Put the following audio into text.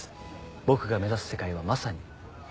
僕が目指す世界はまさに蟻。